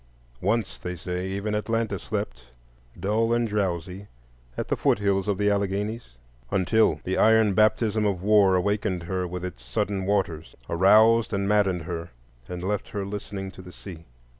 Once, they say, even Atlanta slept dull and drowsy at the foot hills of the Alleghanies, until the iron baptism of war awakened her with its sullen waters, aroused and maddened her, and left her listening to the sea.